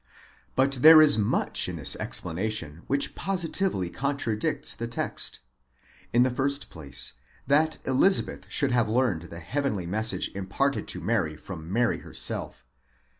But there is much in this explanation which AEE SS contradicts the text. In the first place, that Elizabeth should have learned the heavenly message imparted to Mary from Mary herself.